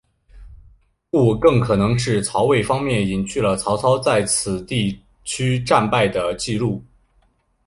故更可能是曹魏方面隐去了曹操在此地区战败的记录。